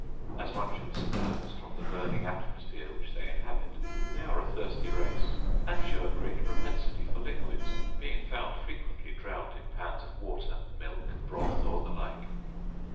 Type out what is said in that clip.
As one should suppose, from the burning atmosphere which they inhabit, they are a thirsty race, and show a great propensity for liquids, being found frequently drowned in pans of water, milk, broth, or the like.